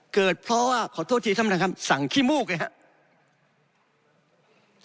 เกิดเพราะว่าขอโทษทีทำดานครับสั่งขี้มูกนะครับ